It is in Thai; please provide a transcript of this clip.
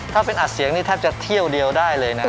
ถ้าเป็นอัดเสียงนี่แทบจะเที่ยวเดียวได้เลยนะ